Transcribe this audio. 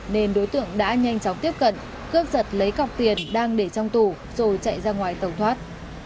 nên đối tượng đã nhanh chóng tiếp cận cướp giật lấy cọc tiền đang để trong tủ rồi chạy ra ngoài tẩu thoát